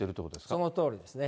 そのとおりですね。